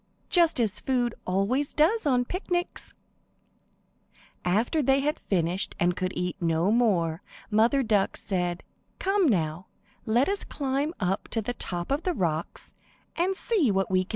Just as food always does on picnics. After they had all finished, and could eat no more, Mother Duck said, "Come now; let us climb up to the top of the rocks and see what we can see."